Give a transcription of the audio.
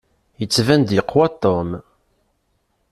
Yettban-d yeqwa Tom.